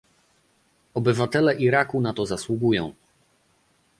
Obywatele Iraku na to zasługują